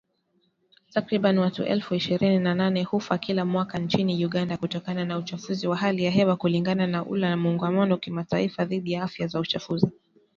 Takriban watu elfu ishirini na nane hufa kila mwaka nchini Uganda kutokana na uchafuzi wa hali ya hewa kulingana na la muungano wakimataifa dhidi ya afia na uchafuzi